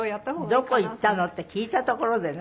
どこ行ったの？って聞いたところでね。